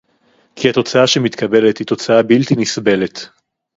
כי התוצאה שמתקבלת היא תוצאה בלתי נסבלת